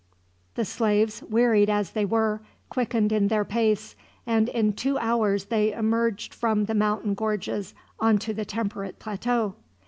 The slaves, wearied as they were, quickened in their pace; and in two hours they emerged from the mountain gorges onto the temperate plateau.